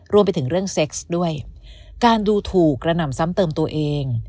รวมไปถึงเรื่องเซ็กซ์ด้วยการดูถูกกระหน่ำซ้ำเติมตัวเอง